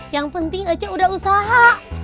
yang penting aja sudah usaha